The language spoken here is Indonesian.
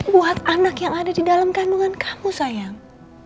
buat anak yang ada di dalam kandungan kamu sayang